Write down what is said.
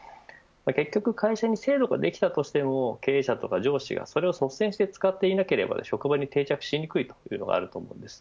結局、会社に制度ができたとしても経営者や上司がそれを率先して使っていなければ職場に定着しにくいというのがあると思います。